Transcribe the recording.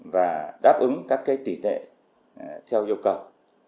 và đáp ứng các kế tỉ tệ theo yêu cầu